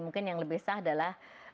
mungkin yang lebih sah adalah